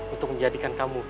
untuk menjadikan kamu